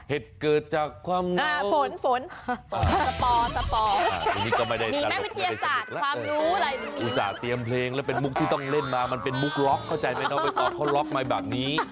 เหตุเกิดจากความเหงาฝนสปอร์มีแม่วิทยาศาสตร์ความรู้อะไรอุตส่าห์เตรียมเพลงแล้วเป็นมุกที่ต้องเล่นมามันเป็นมุกล็อคเข้าใจไหมเนอะไปต่อเขาล็อคมาแบบนี้